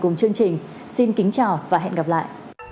cùng chương trình xin kính chào và hẹn gặp lại